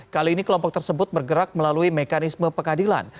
kali ini kelompok tersebut bergerak melalui mekanisme pengadilan